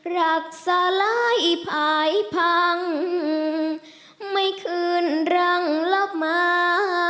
รักสลายผ่ายพังไม่คืนรังลบมา